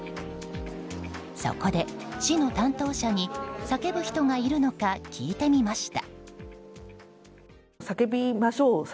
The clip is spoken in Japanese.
そこで市の担当者に叫ぶ人がいるのか聞いてみました。